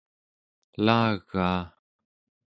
elagaa